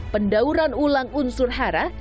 pendauran ulang unsur hara